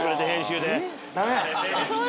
ダメ？